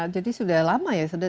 jadi sudah lama ya